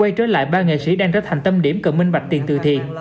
quay trở lại ba nghệ sĩ đang ra thành tâm điểm cận minh bạch tiền từ thiện